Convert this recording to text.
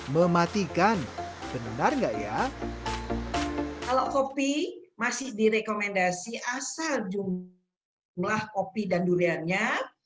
mematikan benar nggak ya kalau kopi masih direkomendasi asal jumlah kopi dan duriannya